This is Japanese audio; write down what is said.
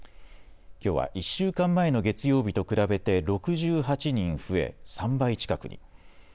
きょうは１週間前の月曜日と比べて６８人増え、３倍近くに。